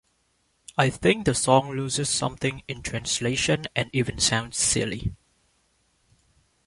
I think the song loses something in translation and even sounds silly.